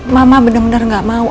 mama bener bener gak mau